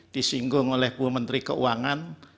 disinggung oleh bu menteri keuangan